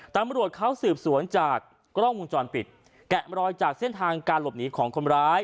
ตำรวจเขาสืบสวนจากกล้องวงจรปิดแกะมรอยจากเส้นทางการหลบหนีของคนร้าย